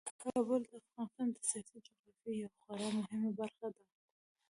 کابل د افغانستان د سیاسي جغرافیې یوه خورا مهمه برخه ده.